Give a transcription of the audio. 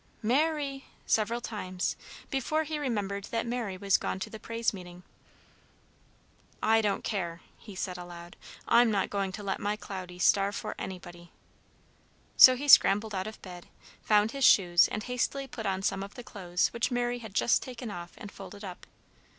Ma ry!" several times, before he remembered that Mary was gone to the praise meeting. "I don't care!" he said aloud. "I'm not going to let my Cloudy starve for anybody." So he scrambled out of bed, found his shoes, and hastily put on some of the clothes which Mary had just taken off and folded up.